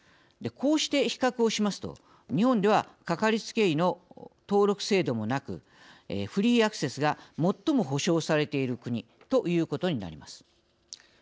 こうして比較をしますと日本ではかかりつけ医の登録制度もなくフリーアクセスが最も保障されている国ということになります。